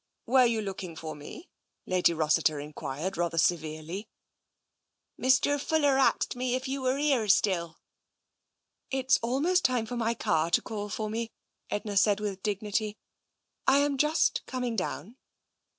"Were you looking for me?*' Lady Rossiter en quired rather severely. Mr. Fuller axed me if you were here still." It's almost time for my car to call for me," Edna said with dignity. " I am just coming down."